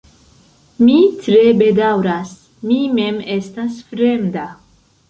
Mi tre bedaŭras, mi mem estas fremda.